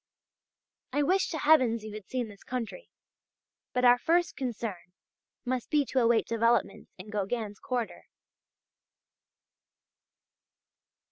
I wish to Heavens you had seen this country! But our first concern must be to await developments in Gauguin's quarter.